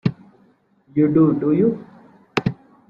You do, do you?